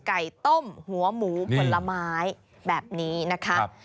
ไก่ต้มหัวหมูผลไม้แบบนี้นะคะ